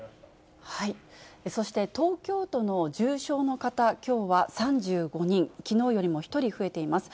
そして、東京都の重症の方、きょうは３５人、きのうよりも１人増えています。